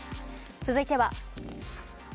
続いては。